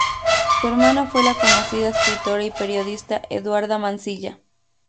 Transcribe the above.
Su hermana fue la conocida escritora y periodista Eduarda Mansilla.